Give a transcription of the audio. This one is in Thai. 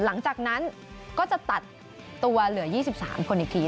หลังจากนั้นก็จะตัดตัวเหลือ๒๓คนอีกที